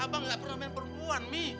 abah gak pernah main perempuan mi